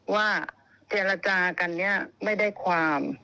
ว่าเจรจากันเนี่ยไม่ได้ความ